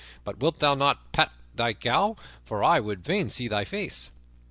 But wilt thou not put back thy cowl? For I would fain see thy face."